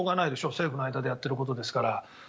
政府の間でやっていることですから。